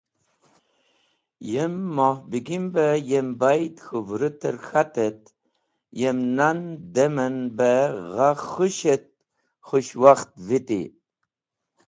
Yem Moh Begi be yem baydi k̃hũ vũrũter k̃hat et yem nan dem en be gha khũsh et khũshwakht vit.